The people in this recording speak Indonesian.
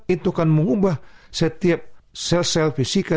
itu kan mengubah setiap sel sel fisika